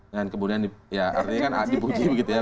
dan kemudian ya artinya kan dibuji begitu ya